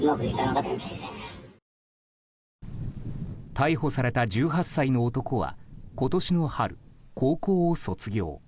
逮捕された１８歳の男は今年の春、高校を卒業。